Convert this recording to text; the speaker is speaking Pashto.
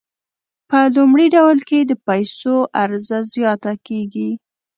په لومړي ډول کې د پیسو عرضه زیاته کیږي.